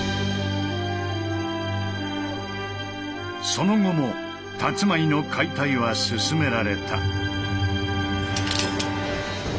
その後もたつまいの解体は進められた。